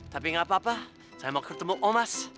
tapi gak apa apa saya mau ketemu omas